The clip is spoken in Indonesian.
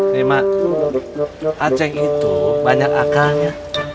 nih ma acing itu banyak akannya